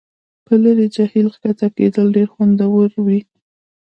په لرې جهیل کښته کیدل ډیر خوندور وي